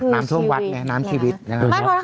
น้ำคือชีวิตพร้อม